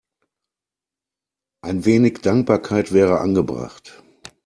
Ein wenig Dankbarkeit wäre angebracht.